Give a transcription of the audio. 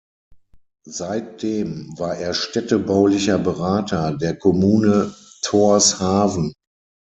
Seitdem war er städtebaulicher Berater der Kommune Tórshavn.